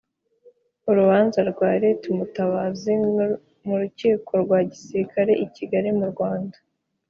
Urubanza rwa Lt Mutabazi m'urukiko rwa gisilikare i Kigali mu Rwanda.